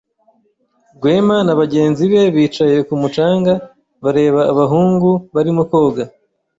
Rwema na bagenzi be bicaye ku mucanga bareba abahungu barimo koga.